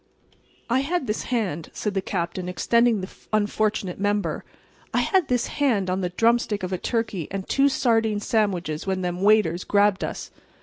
"I had this hand," said the Captain, extending the unfortunate member—"I had this hand on the drumstick of a turkey and two sardine sandwiches when them waiters grabbed us."